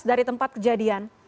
dari tempat kejadian